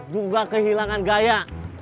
juga kehilangan gaya